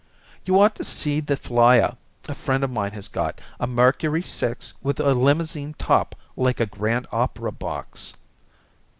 "You ought to see the flier a friend of mine has got. A Mercury Six with a limousine top like a grand opera box."